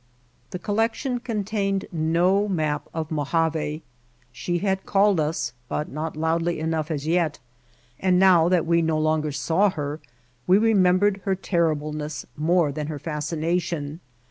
The collection contained no map of the Mo jave. She had called us, but not loudly enough [2.] White Heart of Mojave as yet, and now that we no longer saw her we remembered her terribleness more than her fas cination.